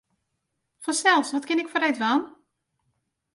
Fansels, wat kin ik foar dy dwaan?